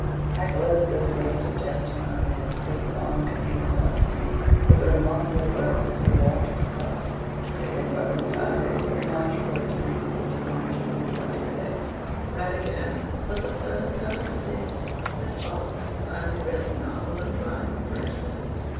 I close this list of testimonies, this long 'Catena Patrum,' with the remarkable words of Sir Walter Scott, taken from his diary for March 14, 1826: 'Read again, for the third time at least, Miss Austen's finely written novel of "Pride and Prejudice."